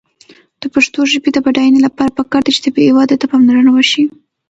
د پښتو ژبې د بډاینې لپاره پکار ده چې طبیعي وده ته پاملرنه وشي.